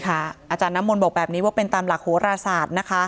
อาจารย์น้ำมนต์บอกแบบนี้ว่าเป็นตามหลักโหราศาสตร์นะคะ